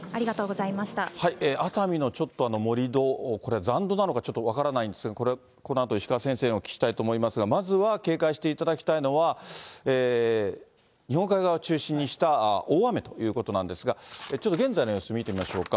熱海のちょっと、盛り土、これは残土なのかちょっと分からないんですけど、このあと石川先生にお聞きしたいと思いますが、まずは警戒していただきたいのは、日本海側を中心にした大雨ということなんですが、ちょっと現在の様子見てみましょうか。